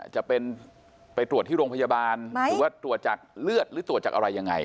จะเป็นไปตรวจที่โรงพยาบาลหรือว่าตรวจจากเลือดหรือตรวจจากอะไรยังไง